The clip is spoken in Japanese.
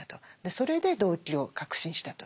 それで動機を確信したという。